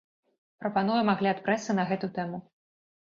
Прапануем агляд прэсы на гэту тэму.